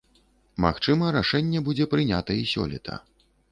Магчыма рашэнне будзе прынята і сёлета.